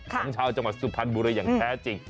ของชาวจังหวัดสุพรรณบุรีอย่างแท้จริง